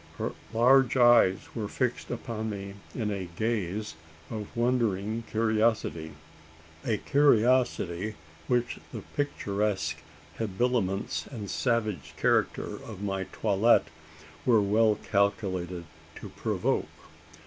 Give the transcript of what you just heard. Her large eyes were fixed upon me in a gaze of wondering curiosity a curiosity which the picturesque habiliments and savage character of my toilet were well calculated to provoke.